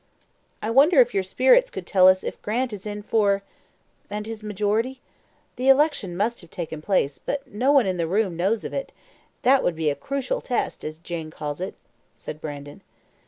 "I wonder if your spirits could tell us if Grant is in for , and his majority? The election must have taken place, but no one in the room knows of it; that would be a crucial test, as Jane calls it," said Brandon.